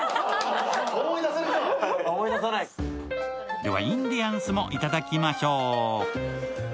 では、インディアンスもいただきましょう。